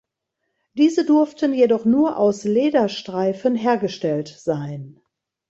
Diese durften jedoch nur aus Lederstreifen hergestellt sein.